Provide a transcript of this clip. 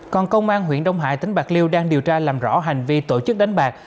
còn công an huyện đông hải tỉnh bạc liêu đang điều tra làm rõ hành vi tổ chức đánh bạc